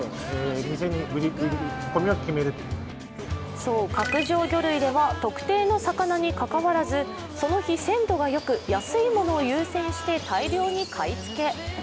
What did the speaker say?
そう角上魚類では特定の魚にかかわらず、その日、鮮度がよく安いものを優先して大量に買い付け。